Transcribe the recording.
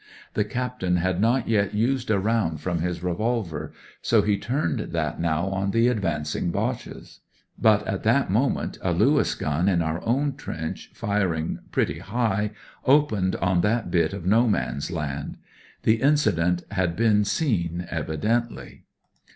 The captain had not yet used a round from his revolver, so he turned that now on the advancing Boches. But at that moment a Lewis gun in oiu* own trench, firing pretty high, opened on that bit of No Man's Land. The incident had been seen, evidently.